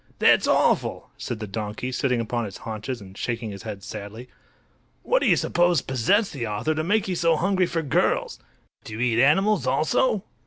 "That's awful!" said the donkey, sitting upon his haunches and shaking his head sadly. "What do you suppose possessed the author to make you so hungry for girls? Do you eat animals, also?"